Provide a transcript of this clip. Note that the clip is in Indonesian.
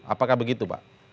apakah begitu pak